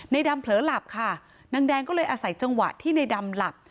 ดำเผลอหลับค่ะนางแดงก็เลยอาศัยจังหวะที่ในดำหลับ